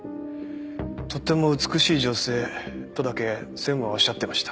「とても美しい女性」とだけ専務はおっしゃってました。